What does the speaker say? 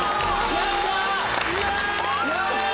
やった！